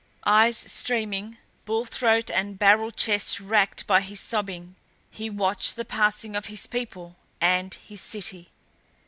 Eyes streaming, bull throat and barrel chest racked by his sobbing, he watched the passing of his people and his city.